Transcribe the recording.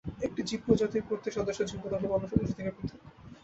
একটি জীবপ্রজাতির প্রত্যেক সদস্য জিনগতভাবে অন্য সদস্য থেকে পৃথক।